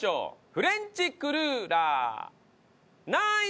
フレンチクルーラー何位ですか？